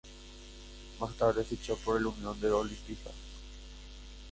Más tarde fichó por el Union Olimpija.